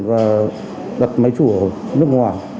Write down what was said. và đặt máy chủ ở nước ngoài